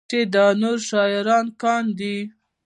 چې دا نور شاعران کاندي